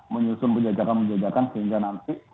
menyusun penjagakan penjagakan sehingga nanti